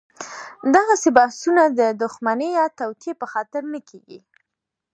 دغسې بحثونه د دښمنۍ یا توطیې په خاطر نه کېږي.